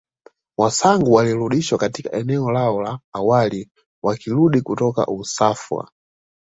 Wasangu walirudishwa katika eneo lao la awali wakarudi kutoka Usafwa